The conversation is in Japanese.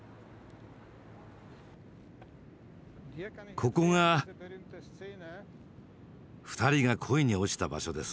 ここが２人が恋に落ちた場所です。